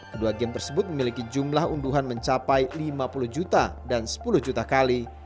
kedua game tersebut memiliki jumlah unduhan mencapai lima puluh juta dan sepuluh juta kali